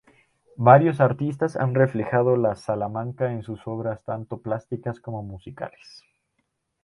Varios artistas han reflejado la Salamanca en sus obras tanto plásticas como musicales.